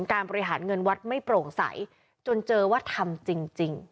การบริหารเงินวัดไม่โปร่งใสจนเจอว่าทำจริง